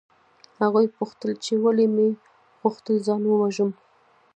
هغوی پوښتل چې ولې مې غوښتل ځان ووژنم